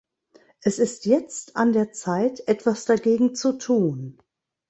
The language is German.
Es ist jetzt an der Zeit, etwas dagegen zu tun.